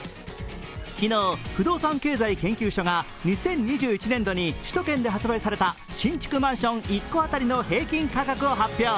昨日、不動産経済研究所が２０２１年度に首都圏で発売された新築マンション１戸当たりの平均価格を発表。